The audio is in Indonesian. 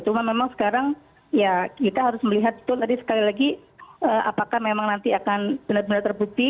cuma memang sekarang ya kita harus melihat betul tadi sekali lagi apakah memang nanti akan benar benar terbukti